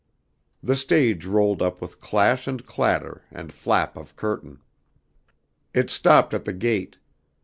The stage rolled up with clash and clatter and flap of curtain. It stopped at the gate.